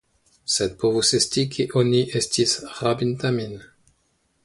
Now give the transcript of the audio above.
Sed povus esti, ke oni estis rabinta min.